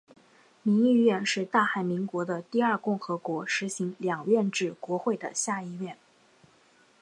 民议院是大韩民国的第二共和国实行两院制国会的下议院。